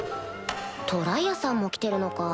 トライアさんも来てるのか